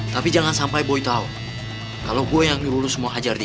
tapi jangan sampai boy tau kalo gue yang ngurus mau hajar dia